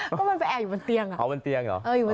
ก็มันไปแอบอยู่บนเตียงอ่ะอยู่บนเตียง